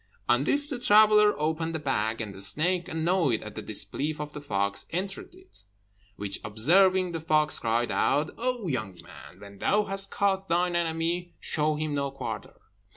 On this the traveller opened the bag, and the snake, annoyed at the disbelief of the fox, entered it; which observing, the fox cried out, "O young man, when thou hast caught thine enemy, show him no quarter.